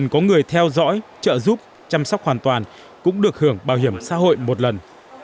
có người theo dõi trợ giúp chăm sóc hoàn toàn cũng được hưởng bảo hiểm xã hội một lần